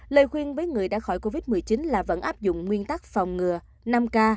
lời khuyên với người đã khỏi covid một mươi chín là vẫn áp dụng nguyên tắc phòng ngừa năm k